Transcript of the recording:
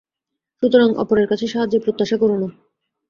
সুতরাং অপরের কাছে সাহায্যের প্রত্যাশা করো না।